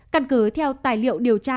căn cứ theo tài liệu điều tra